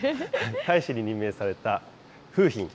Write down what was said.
大使に任命された楓浜。